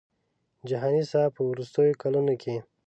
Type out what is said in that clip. جهاني صاحب په وروستیو کلونو کې.